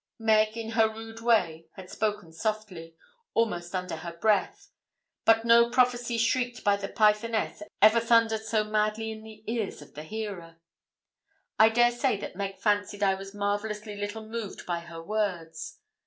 Meg, in her rude way, had spoken softly almost under her breath; but no prophecy shrieked by the Pythoness ever thundered so madly in the ears of the hearer. I dare say that Meg fancied I was marvellously little moved by her words.